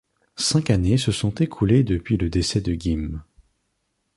Cinq années se sont écoulées depuis le décès de Ghim.